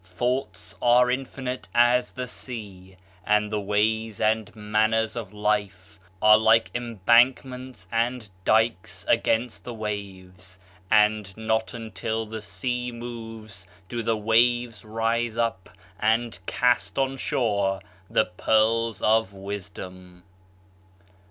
Thoughts are infinite as the sea, and the ways and manners of life are like embankments and dykes against the waves; and not until the sea moves do the waves rise up and cast on shore the pearls of wisdom.